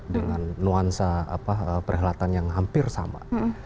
dengan nuansa perhelatan yang hampir sama